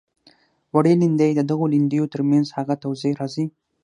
وړې لیندۍ د دغو لیندیو تر منځ هغه توضیح راځي.